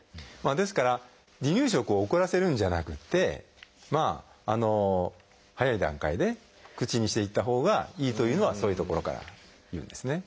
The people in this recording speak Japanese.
ですから離乳食を遅らせるんじゃなくて早い段階で口にしていったほうがいいというのはそういうところからいうんですね。